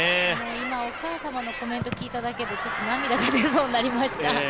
今、お母様のコメントを聞いただけで、ちょっと涙が出そうになりました。